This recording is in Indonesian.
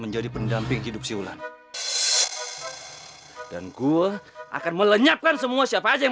menjadi pendamping hidup siulan dan gua akan melenyapkan semua siapa aja yang